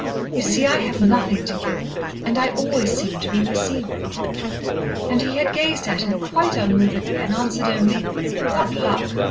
You see, I have nothing to give, and I always seem to be receiving." And he had gazed at her quite unmovedly and answered only: "What luck!"